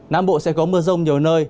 nam bộ sẽ có mưa rông nhiều nơi